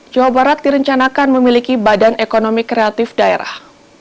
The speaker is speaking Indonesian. jawa barat direncanakan memiliki badan ekonomi kreatif daerah